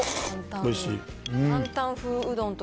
おいしい。